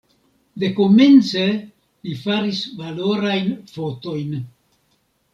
Dekomence li faris valorajn fotojn.